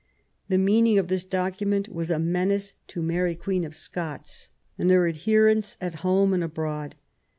The meaning of this document was a menace to Mary Queen of Scots and her adherents at home and abroad.